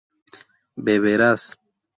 beberás